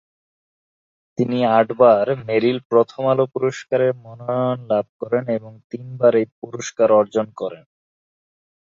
তিনি আটবার মেরিল-প্রথম আলো পুরস্কারের মনোনয়ন লাভ করেন এবং তিনবার এই পুরস্কার অর্জন করেন।